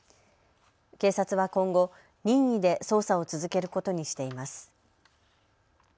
警察は今後、任意で捜査を続けることにしています。